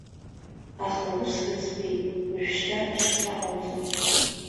Аха ус рыӡбеит, уажәшьҭа ишԥаҟоуҵо?